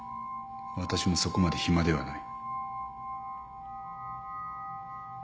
私もそこまで暇ではない。